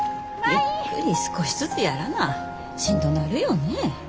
ゆっくり少しずつやらなしんどなるよね。